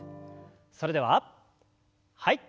それでははい。